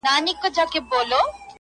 هرڅه بدل دي- د زمان رنګونه واوښتله-